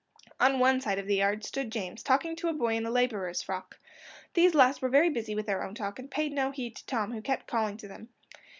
On one side of the yard stood James, talking to a boy in a labourer's frock. These last were very busy with their own talk, and paid no heed to Tom, who kept calling to them.